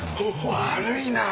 悪いなぁ。